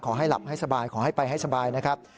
ขอให้หลับให้สบายขอให้ไปให้สบายนะครับ